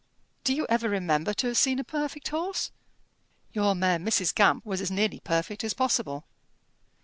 Do you ever remember to have seen a perfect horse?" "Your mare Mrs. Gamp was as nearly perfect as possible."